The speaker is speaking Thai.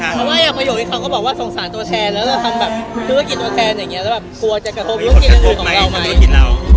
ทำธุรกิจตัวแทนกลัวจะกระทบรวมงาน